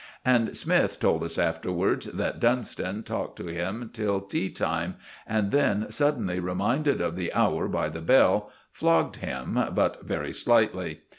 And Smythe told us afterwards that Dunstan talked to him till tea time, and then, suddenly reminded of the hour by the bell, flogged him, but very slightly.